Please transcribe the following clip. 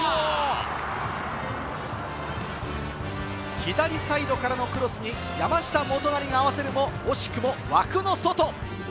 左サイドからのクロスに山下基成が合わせるも、惜しくも枠の外。